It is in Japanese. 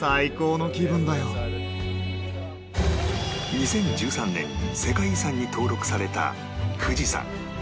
２０１３年に世界遺産に登録された富士山